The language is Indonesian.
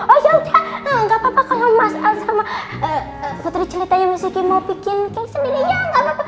oh yaudah gak apa apa kalo mas al sama putri celetanya miss kiki mau bikin cake sendiri ya gak apa apa